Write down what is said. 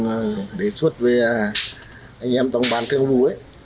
tôi cũng đề xuất với anh em tổng bản thương vụ